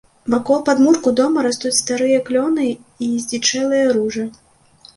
Вакол падмурку дома растуць старыя клёны і здзічэлыя ружы.